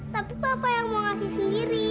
tapi papa yang mau ngasih sendiri